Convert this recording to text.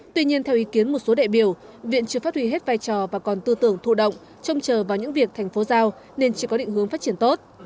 tuy nhiên theo ý kiến một số đại biểu viện chưa phát huy hết vai trò và còn tư tưởng thụ động trông chờ vào những việc thành phố giao nên chỉ có định hướng phát triển tốt